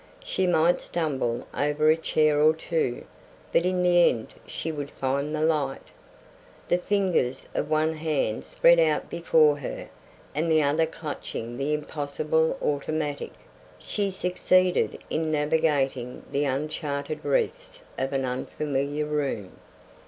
She might stumble over a chair or two, but in the end she would find the light. The fingers of one hand spread out before her and the other clutching the impossible automatic, she succeeded in navigating the uncharted reefs of an unfamiliar room.